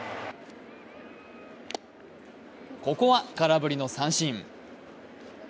ここは空振りの三振。